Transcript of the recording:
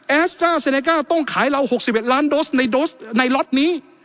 แอสตราเซนเกอร์ต้องขายเรา๖๑ล้านโดสในล็อตนี้